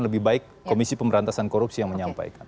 lebih baik komisi pemberantasan korupsi yang menyampaikan